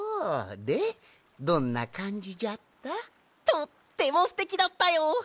とってもすてきだったよ！